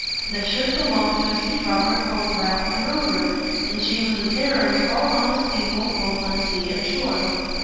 The ship belonged to a sea robber called Ralph the Rover; and she was a terror to all honest people both on sea and shore.